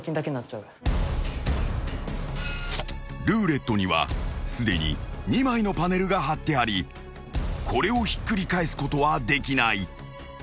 ［ルーレットにはすでに２枚のパネルがはってありこれをひっくり返すことはできない］